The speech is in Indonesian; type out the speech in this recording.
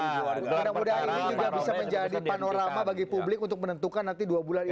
mudah mudahan ini juga bisa menjadi panorama bagi publik untuk menentukan nanti dua bulan ini